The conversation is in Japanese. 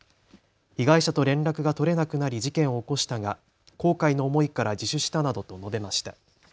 被害者と連絡が取れなくなり事件を起こしたが後悔の思いから自首したなどと述べました。